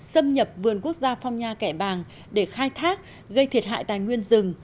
xâm nhập vườn quốc gia phong nha kẻ bàng để khai thác gây thiệt hại tài nguyên rừng